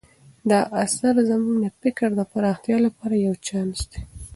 دا اثر زموږ د فکر د پراختیا لپاره یو چانس دی.